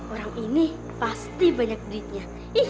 orang ini pasti banyak duitnya